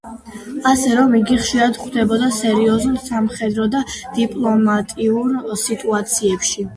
ასე რომ იგი ხშირად ხვდებოდა სერიოზულ სამხედრო და დიპლომატიურ სიტუაციებში.